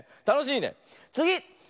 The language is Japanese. つぎ！